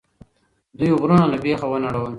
دوی غرونه له بیخه ونړول.